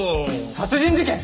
殺人事件！？